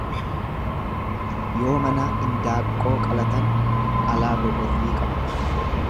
Yoo manaa indaaqqoo qalatan alaa gogorrii qabatu.